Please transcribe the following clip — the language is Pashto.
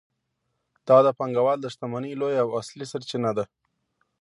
دا د پانګوال د شتمنۍ لویه او اصلي سرچینه ده